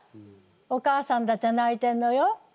お母さんだって泣いてんのよ。